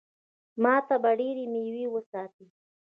ما ته به ډېرې مېوې وساتي.